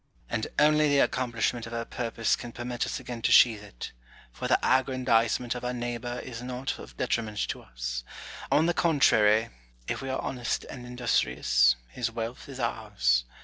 And only the accomplishment of our purpose can permit us again to sheathe it ; for the aggrandisement of our neighbour is nought of detriment to us : on the contrary, if we are honest and industrious, his wealth is ours.